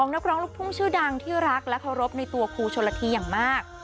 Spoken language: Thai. นักร้องลูกทุ่งชื่อดังที่รักและเคารพในตัวครูชนละทีอย่างมาก